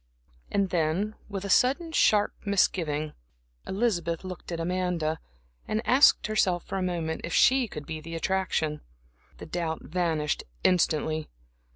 And then, with a sudden, sharp misgiving, Elizabeth looked at Amanda, and asked herself for a moment if she could be the attraction. The doubt vanished instantly.